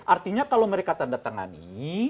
maksudnya kalau mereka tandatangani